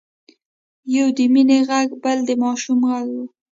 يو د مينې غږ بل د ماشوم غږ و.